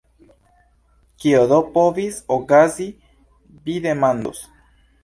Kio do povis okazi, vi demandos.